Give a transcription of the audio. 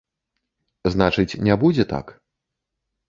Значыць, не будзе так?